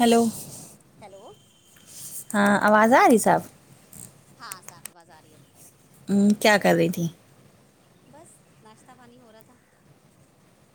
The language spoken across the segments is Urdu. ہیلو ہیلو ہاں آواز آ رہی صاف ہاں صاف آواز آ رہی ہے ہوں کیا کر رہی تھی بس ناشتہ پانی ہو رہا تھا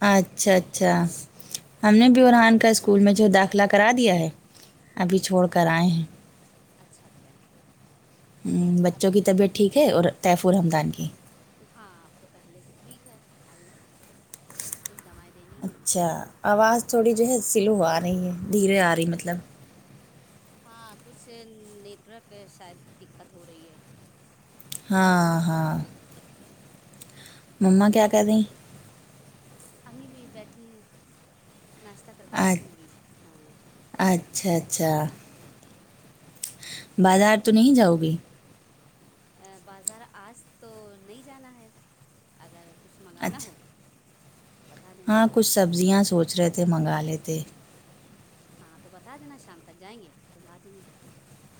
اچھا اچھا ہم نے بھی اورحان کا اسکول میں جو داخلہ کرا دیا ہے ہوں ابھی چھوڑ کر آئے ہیں اچھا کیا بچوں ابھی کی سے طبیعت ٹھیک ہے اور طیفر حمدان کی ہاں اب تو پہلے سے ٹھیک ہے آئی کچھ دوائ اچھا آواز تھوڑی جو ہے سلو آ رہی ہے دھیرے آ رہی مطلب ہاں کچھ نیٹورک شاید دقت ہو رہی ہے ہاں ہاں مما کیا کر رہی امی بھی بیٹھی ہیں ناشتہ کر کے بیٹھی ہیں اچ- ابھی ہاں اچھا اچھا بازار تو نہیں جاؤ گی بازار آج تو نہیں جانا ہے اگر کچھ منگانا اچھا ہو تو بتا دینا ہاں کچھ سبزیاں سوچ رہے تھے منگا لیتے ہاں تو بتا دینا شام تک جائیں گے تو لا دیں گے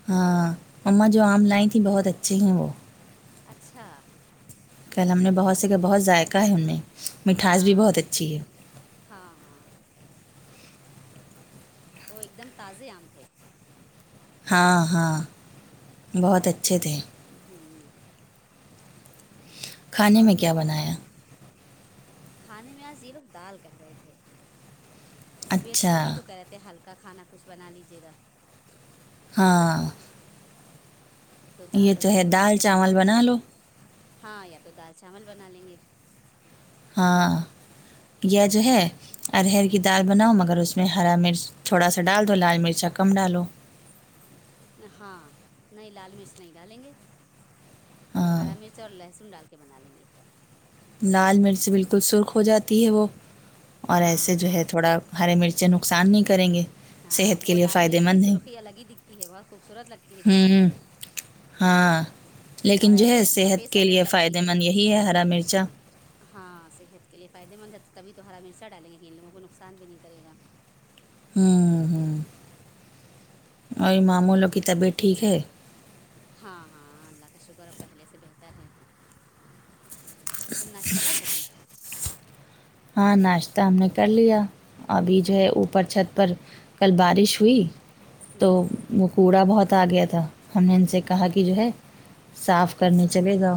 ہاں امما جو آم لائ تھی بہت اچھی ہیں وہ اچھا کل ہم نے بہت سے کھاے بہت ذائقہ ہے ان میں مٹھاس بھی ہاں بہت اچھی ہے ہاں ہاں وہ ایک دم تازے آم تھے ہاں ہاں بہت اچھے تھے ہوں کھانے اور میں کیا ہو رہا تھا بنایا کھانے میں آج یرف دال کہہ رہے تھے طبیعت اچھا ٹھیک نہیں تو کہہ رہے تھے ہلکا کا کھانا کچھ بنا لیجیے گا ہاں تو دال یہ روٹی ہے سوچ رہے دال تھے بنا چاول لیں گے لو ہاں یا تو دال چاول بنا لیں گے ہاں یا جو ہے ارہر کی دال بناؤ مگر اس میں ہرا مرچ تھوڑا سا ڈال دو لال مرچا کم ڈالو ہاں نہیں لال مرچ نہیں ڈالیں گے ہاں ہرا مرچ اور لہسن ڈال کر کے بنا لیں گے لال مرچ بالکل سرخ ہو جاتی ہے وہ اور ہاں ایسے جو ہے ہاں تھوڑا ہرے مرچیں نقصان نہیں کریں گے ہاں صحت کے وہ لیے لال فائدے مرچی کی مند ہیں سرخی الگ ہی دکھتی ہے بہت خوبصورت لگتی ہے دیکھنے میں ہوں ہاں اور لیکن جو ہے ایسے صحت سفید کے سفید لیے لگتی فائدے ہے مند یہی ہے ہرا مرچا ہاں صحت کے لیے فائدے مند ہے تبھی تو ہرا مرچا ڈالیں گے کہن لوگوں کو نقصان بھی نہیں کرے گا ہوں ہوں اور مامو لو کی طبیعت ٹھیک ہے ہاں ہاںاں اللہ کا شکر اب پہلے سے بہتر ہے تم ناشتہ کر چکی ہاں ناشتہ ہم نے کر لیا ابھی جو ہے اوپر چھت پر کل بارش ہوئی تو ہوں ہوں وہ کوڑا بہت آ گیا تھا ہم نے ان سے کہا کہ جو ہے صاف کرنے چلے گاؤ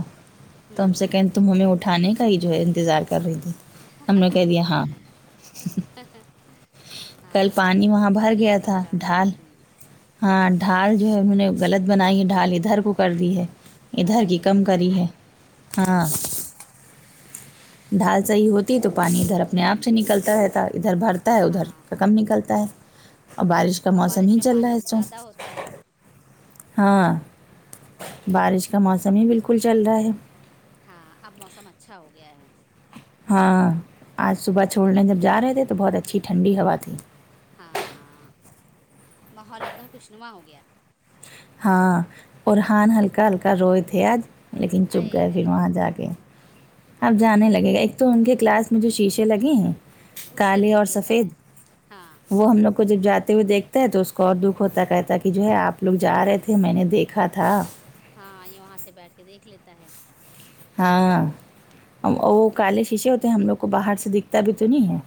توم ہوں سے ہوں کہیں تم ہمیں اٹھانے کا ہی جو ہے انتظار کر رہی تھی ہم نے کہہ دیا ہاں [unintelligible] کل ہاں تم پانی وہاں بھر سیڑھیاں گیا کم تھا چڑھنا ڈھال ہاں ڈھال جو ہے انوں نے غلط بنائی ہے ڈھال ادھر کو کر دی ہے ادھر ارے کی کم کری ہے ہاں ہوں ڈھال صحیح ہوتی تو پانی ادھر اپنے آپ سے نکلتا رہتا ادھر بھر ادھر ہاں کا کم نکلتا ہے اور بارش کا اب موسم بارش ہی میں چل رہا پانی ہے زیادہ سب ہوتا ہے ہاں بارش کا موسم ہی بالکل چل رہا ہے ہاں اب موسم اچھا ہو گیا ہے ہاں آج صبح چھوڑنے جب جا رہے تھے تو بہت اچھی ٹھنڈی ہوا تھی ہاں ہاں ماحول ایک دم خوشنما ہو گیا ہاں اور ہان ہلکا ہلکا روئے تھے آج لیکن چپ آئے گئے پھر ہے وہاں جا کے اب ہاں جانے لگے گا ایک تو ان کے کلاس میں جو شیشہ لگے ہیں اس سے کالے اور دیکھ لیتا سفید ہے ہاں وہ ہم لوگ کو جب جاتے ہوئے دیکھتا ہے تو اس کو اور دکھ ہوتا کہتا کہ جو ہے آپ لوگ جا رہے تھے میں نے دیکھا تھا ہاں یہ وہاں سے بیٹھ کے دیکھ لیتا ہے ہاں وہ کالے شیشے ہوتے ہیں ہم لوگ کو باہر سے دکھتا بھی تو نہیں ہے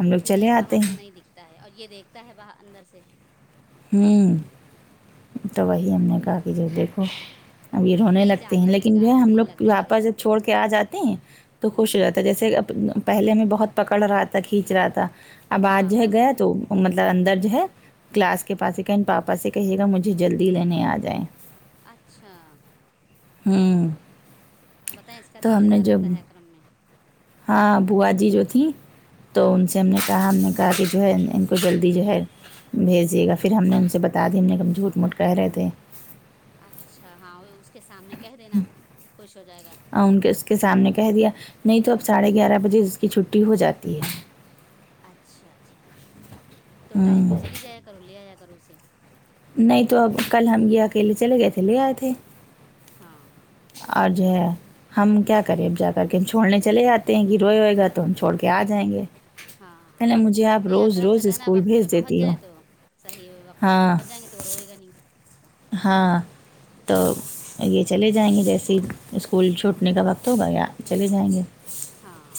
ہم لوگ نہیں چلے باہر آتے سے ہیں نہیں دکھتا ہے اور یہ دیکھتا ہے باہر اندر سے ہممم تو وہی ہم نے کہا کہ جی دیکھو اب یہ رونے نہیں لگتے ہیں جانے لگے لیکن گا جو ہے ابھی ہم دل لوگ لگنے لگے واپس گا جب چھوڑ کے آ جاتے ہیں تو ہوں خوش ہو تو جیسے اب پہلے ہمیں بہت پکڑ رہا تھا کھینچ رہا تھا اب ہاں آج جو ہے ہاں گیا تو وہ مطلب اندر جو ہے کلاس کے پاس ہی کہیں پاپا سے کہیے گا مجھے جلدی لینے آجائیں اچھا ہممم بتائیں اس کا دل لگا رہتا ہے کرم میں ہاں بوا جی جو تھیں تو ہاں ان سے ہم نے کہا ہم نے کہا کہ جو ہے ان کو جلدی جو ہے بھیجیے گا پھر ہم نے ان سے بتا دی ہم نے ہم جھوٹ موٹ کہہ رہے تھے اچھا ہاں اس کے سامنے کہہ دینا خوش ہو جائے گا ان کے سام کے سامنے کہہ دیا نہیں تو اب ساڑھے گیارہ بجے اس کی چھٹی ہو جاتی ہے اچھا اچھا تو ٹائم پہ ہوں، چلی جایا کرو لے آیا کرو اسے نہیں تو اب کل ہم یہ اکیلے چلے گئے تھے لے آئے تھے ہاں آج ہے ہم کیا کریں اب جا کر کے ہم چھوڑنے چلے آتے ہیں کہ روئے ہوئے گا تو ہم چھوڑ کے آ جائیں گے ہاں پہلے ہاں مجھے آپ نہیں روز اکرم سے روز کہنا اسکول وقت پہ بھیج پہنچ دیتی ہو جائے تو صحیح وقت پہ ہاں پہنچ جائیں گے تو روئے گا نہیں ہاں تو یہ چلے جائیں گے جیسے اسکول چھوٹنے کا وقت ہوگا یا چلے جائیں گے ہاں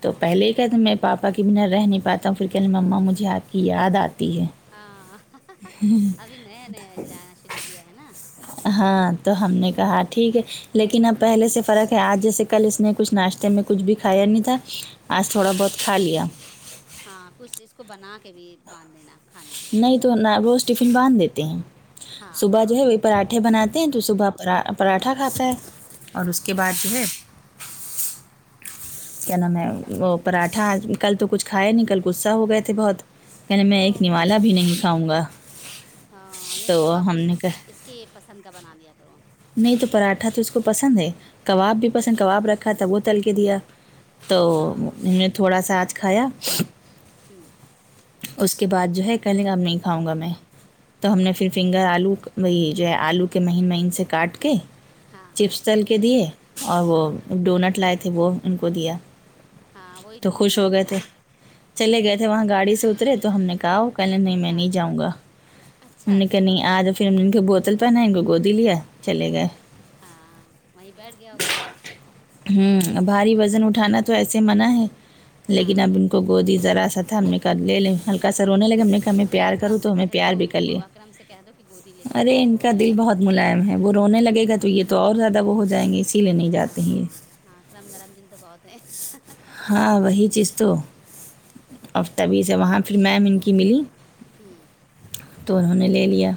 تو پہلے کہتے میں پاپا کی بنا رہ نہیں پاتا ہوں پھر کہنے مما مجھے آپ کی یاد آتی ہے ہاں ابھی نیا نیا جانا شروع کیا ہے نا ہاں تو ہم نے کہا ٹھیک ہے لیکن اب پہلے سے فرق ہے آج جیسے کل اس نے کچھ ناشتے میں کچھ بھی کھایا نہیں تھا آج تھوڑا ہاں بہت کھا لیا ہاں کچھ اس کو بنا کے بھی باندھ دینا کھانے کے لیے نہیں دوپہر تو میں نہ روز ٹیفن باندھ دیتے ہیں ہاں صبح ہاں جو ہے پراٹھے بناتے ہیں تو صبح پرا پراٹھا کھاتا ہے اور اس کے اچھا بعد جو ہے کیا نام ہے وہ پراٹھا اج کل تو کچھ کھایا نہیں کل غصہ ہو گئے تھے بہت کہنے میں ایک نوالا اوفو بھی نہیں کھاؤں گا ہاں نہیں تو صبح ہم کچھ نے کہا اس کے پسند کا بنا دیا کروں نہیں تو پراٹھا تو اس کو پسند ہے کباب بھی پسند کباب رکھا تب وہ تل کے دیا تو ہاں ہم نے تھوڑا سا آج کھایا ہمم اس کے بعد جو ہے کہیے گا نہیں کھاؤں گا میں تو ہم نے پھر فنگر آلو وہی جو ہے آلو کے مہین مہین سے کاٹ کے ہاں ہاں چپس تل کے دیے اور وہ ہاں ڈونٹ لائے وہ ان کو دیا ہاں وہی تو ٹفن خوش میں ہو رکھ گئے دینا تھے چلے گئے تھے وہاں گاڑی سے اترے تو ہم نے کہا وہ کہنے نہیں میں ہاں نہیں جاؤں گا ہم اچھا نے کہ نہیں آج پھر ہم نے ان کو بوتل پہنا ان کو گودی لیا چلے گئے ہاں وہیں بیٹھ گیا ہوگا ہممم اسکول بھاری میں وزن اٹھانا تو ایسے منع ہے لیکن اب ہاں ان کو گودی ذرا سا تھا ہم نے کہا لے لیں ہلکا سا رونے لگے ہم نے کہ ہمیں نہیں پیار کروں اکرم سے تو ہمیں کہہ لو پیار بھی کر لیے اکرم سے کہہ دو کہ گودی لے کے اندر ارے ان چھوڑ کا دیا دل کریں بہت ملائم ہے وہ رونے لگے گا تو یہ تو اور زیادہ وہ ہو جائیں گے اسی لیے نہیں جاتے ہیں یہ ہاں ہاں کرم نرم دل تو بہت ہیں ہاں وہی چیز تو اور تبھی سے وہاں پھر میم ان کی ملی ہمم تو انہوں نے لے لیا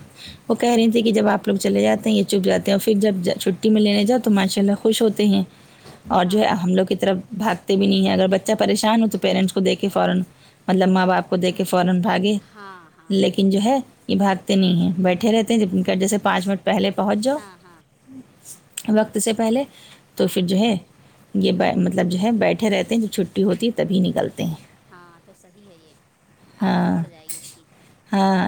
وہ کہہ رہی تھی کہ جب آپ لوگ وہ وہ کہہ رہی تھیں کہ جب آپ لوگ چلے جاتے ہیں یا چپ جاتے ہیں اور فر جب چھٹی میں لینےجاؤ تو ماشاء اللہ خوش ہوتے ہیں اور جو ہے ہاں ہم لوگ کی طرف بھاگ تے بھی نہیں ہے اگر بچہ پریشان ہو تو پیرنٹس کو دیکھ کے فورا مطلب ماں باپ کو دیکھ کے فورا بھاگے ہاں ہاں لیکن جو ہے یہ بھاگتے نہیں ہیں بیٹھے رہتے ہیں جب جیسے پانچ منٹ پہلے پہنچ جاؤ ہاں ہاں وقت سے پہلے تو ہاں فر جو ہے یہ مطلب جو ہے بیٹھ ٹھے رہتے ہیں جب چھٹی ہوتی ہے تبھی نکلتے ہیں ہاں تو صحیح ہے یہ عادت ہاں پڑ جائے گی اس کی ہاں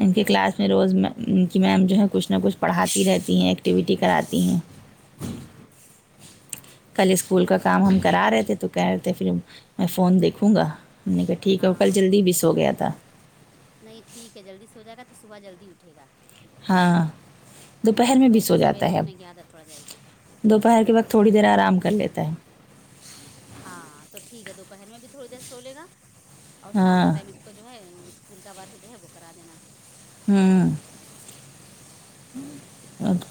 ان کی کلاس میں روز ان کی میم جو ہے کچھ نہ کچھ پڑھاتی رہتی ہیں ایکٹیویٹی کراتی ہیں ہاں کل اسکول کا کام ہم کرا رہے ے تو کہہ رہے تھے فر میں فون دیکھوں گا ہم نے کہا ٹھیک ہے وہ کل جلدی ہاں بھی سو گیا تھا نہیں ٹھیک ہے جلدی سو جائے گا تو صبح جلدی اٹھے گا ہاں دوپہر میں بھی سو ویسے سویرے جاتا ہے اب اٹھنے کی عادت پڑ جائے گی دوپہر کے وقت تھوڑی دیر آرام کر لیتا ہے ہاں تو ٹھیک ہے دوپہر میں بھی تھوڑی دیر سو لے گا اور شام کا ہاں ٹائم اس اس کو جو ہے اسکول کا ورک جو ہے وہ کرا دینا ہمم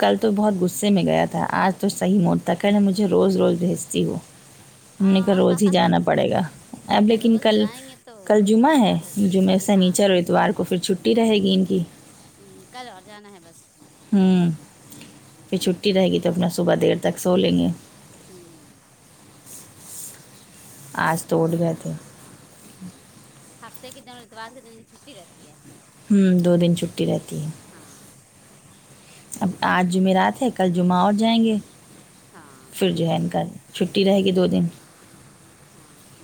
کل تو بہت غصے میں گیا تھا آج تو صحیح موڈ تھا کہہ رہا مجھے روز روز بھیجتی ہو ہم نے کا آ روز ہی جانا پڑے گا اب لیکن روز کل جائیں گے تو کل جمعہ ہے عادت بن جمعے جائے گی سے ہاں نیچے اتوار کو فر چھٹی رہے گی ان کی کل اور جانا ہے بس ہمم پھر چھٹی رہے گی تو اپنا صبح دیر تک سو لیں گے ہمم آج تو اٹھ گئے تھے ہفتے کے دن اور اتوار کے دن کی چھٹی رہتی ہے ہمم دو دن چھٹی رہتی ہے ہاں اب آج جمعرات ہے کل جمعہ اور جائیں گے ہاں پھر جو ہے ان کا چھٹی رہے گی دو دن ہاں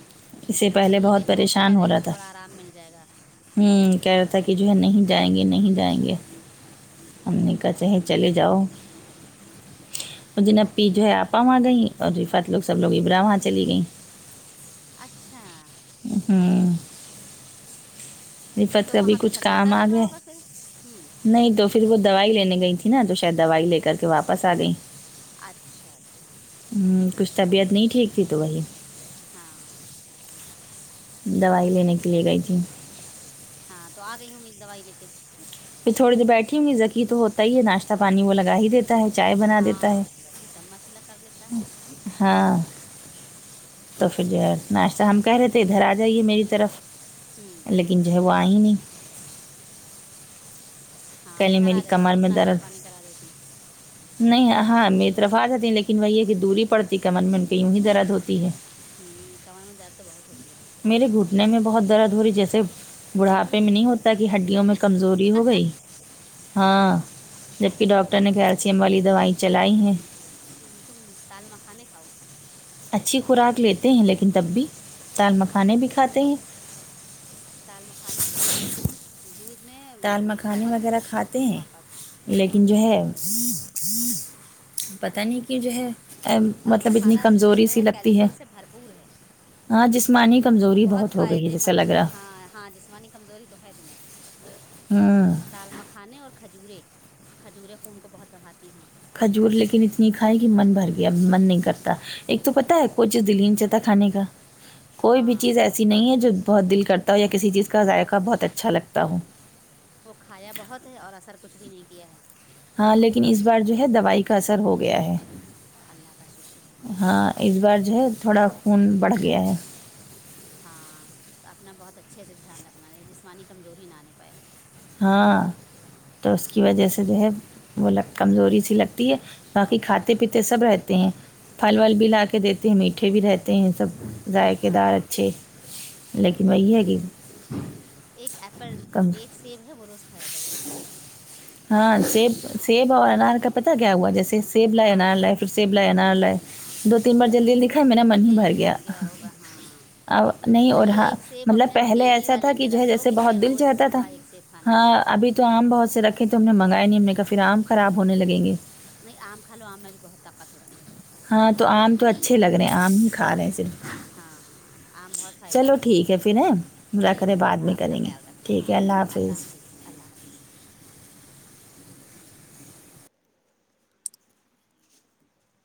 اس سے پہلے ٹھیک ہے بہت چھوٹا ہے رے تھوڑا آرام مل جائے گا ہمم کہہ رہا تھا کہ جو ہے نہیں جائیں گے نہیں جائیں گے ہم نے کہا چہے ہاں چلے جاؤ وہ جنب پی جو ہے آپا وہاں گئیں اور رفت لوگ سب لوگ ابرا وہاں چلی گئیں اچھا ہمم رفت تو کا بھی وہاں تو کچھ کام سناٹا آ لگ رہا گیا ہوگا پھر ہوں نہیں تو فر وہ دوائی لینے گئی تھیں نہ تو شاید دوائی لے کر کے واپس آ گئیں اچھا اچھا ہمم کچھ طبیعت نہیں ٹھیک تھی تو وہی ہاں دوائی لینے کے لیے گئی تھی ہاں تو آ گئی ہوں گی دوائی لے کے پھر تھوڑی دیر بیٹھی گی ذکی تو ہوتا ہی ہے ناشتہ پانی وہ لگا ہی دیتے ہے چائے بنا دیتا ہے ہاں ذکی سب ماشاء اللہ کر لیتا ہے ہاں تو پھر جو ہے ناشتہ ہم کہہ رہے تھے ادھر آ جائیے میری طرف ہوں لیکن جو ہے وہ آئ ہی نہیں ہاں کہنے ادھر آ میری جاتی کمر تم میں ناشتہ درد پانی کرا دیتی نہیں ہاں میری طرف آجاتی ہیں لیکن وہی ہے کہ دوری پڑتی کمن میں ان کے یوں ہی درد ہوتی ہے ہوں کمر میں درد تو بہت ہوتی ہے ابھی کے میرے گھٹنے میں بہت درد ہو رہی جیسے بڑھاپے ہوں میں نہیں ہوتا کہ ہڈیوں میں کمزوری ہو گئی ہاں جب کہ ڈاکٹر نے کیلسیم والی دوائ چلائی ہیں ھم تم دال مکھانے کھاؤ اچھی خوراک لیتے ہیں لیکن تب بھی دال مکھانے بھی کھاتے ہیں دال مکھانے دودھ میں دودھ میں دال مکھانے بہت وغیرہ کھاتے ہیں طاقت لیکن جو ہے پتہ نہیں کہ جو ہے دال مطلب اتنی مکھانہ تو کمزوری جو سی ہے لگتی کیلشیم سے بھر پور ہے ہاں جسمانی کمزوری بہت ہو گئی فائدے جیسا مند لگ ہے رہا ہاں ہاں جسمانی کمزوری تو ہے تمہیں ہوں دال مکھانے اور کھجورے کھجوریں خون کو بہت بڑھاتی ہیں کھجور لیکن اتنی کھائے کہ من بھر گیا اب من نہیں کرتا ایک تو پتا ہے کوی چیز دل ہی نہیں چاہتا کھانے کا کوئی بھی ہاں چیز ہاں ایسی نہیں ہے جو بہت دل کرتا ہو یا کسی چیز کا ذائقہ بہت اچھا لگتا ہو وہ کھایا بہت ہے اور اثر کچھ بھی نہیں کیا ہے ہاں لیکن اس بار جو ہے دوائی کا اثر ہو گیا ہے اللہ کا شکر ہے الحمد ہاں للہ اس بار جو ہے تھوڑا خون بڑھ گیا ہے ہاں تو اپنا بہت اچھے سے دھیان رکھنا جسمانی کمزوری نہ آنے پائے ہاں تو اس کی وجہ سے جو ہے وہ لگ کمزوری سی لگتی ہے باقی کھاتے پیتے سب رہتے ہیں پھل ول بھی لا کے دیتے ہیں میٹھے بھی رہتے ہیں سب ذائقے دار ہاں اچھے لیکن وہی ہے کہ ایک ایپل جو کم ایک سیب ہے وہ روز کھایا کرو ہاں سیب سیب اور انار کا پتا کیا ہوا جیسے سیب لائے ہاں انار لائے سیب لائے انار لائے دو تین بار جلدی جلدی کھائے میرا من ہی دل بھر گیا ہوگا ہاں ا نہیں اور ہاں ایک سیب مطلب اپنے پہلے ڈیلی ایسا تھا والے کہ میں جو ہے رکھ لو جیسے کہ بہت ہمیں دل روز چاہتا تھا صبح ایک سیب کھانا ہے ہاں ابھی تو آم بہت سے رکھے تو ہم نے منگائے نہیں ہم نے کہا پھر آم خراب ہونے لگیں گے نہیں آم کھا لو آم میں بھی بہت طاقت ہوتی ہے ہاں تو آم تو اچھے لگ رہے ہیں آم ہی کھا رہے ہیں صرف ہاں ہاں آم بہت فائدے چلو مند ہے ٹھیک پھر ہیں ٹھیک مذاکرے بعد ٹھیک ہاں میں اپنا کریں گے خیال رکھنا ٹھیک ہاں ہے اللہ حافظ اللہ حا فظ